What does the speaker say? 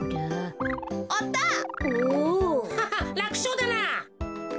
ハハッらくしょうだな。